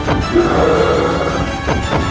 rukunlah rakyat tales